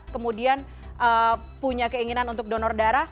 kemudian punya keinginan untuk donor darah